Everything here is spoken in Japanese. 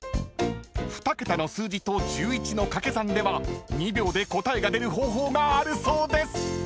［２桁の数字と１１の掛け算では２秒で答えが出る方法があるそうです］